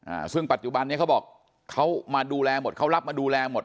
อ่าซึ่งปัจจุบันเนี้ยเขาบอกเขามาดูแลหมดเขารับมาดูแลหมด